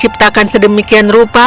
harimau tidak akan sedemikian rupa